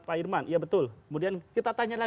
pak irman ya betul kemudian kita tanya